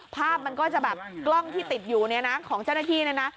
ภาพมันก็จะแบบกล้องที่ติดอยู่เนี่ยนะของเจ้าหน้าที่เนี่ยนะ